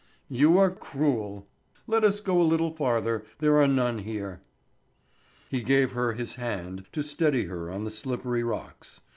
"You are cruel—let us go a little farther, there are none here." He gave her his hand to steady her on the slippery rocks.